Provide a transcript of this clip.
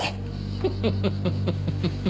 フフフフ。